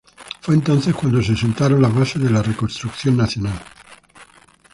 Fue entonces cuando se sentaron las bases de la Reconstrucción Nacional.